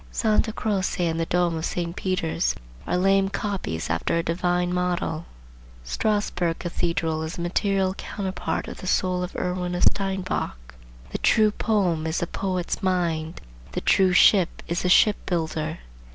Santa Croce and the Dome of St. Peter's are lame copies after a divine model. Strasburg Cathedral is a material counterpart of the soul of Erwin of Steinbach. The true poem is the poet's mind; the true ship is the ship builder.